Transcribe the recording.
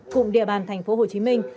cụm địa bàn thành phố hồ chí minh